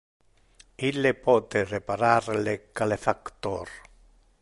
Ille pote reparar le calefactor.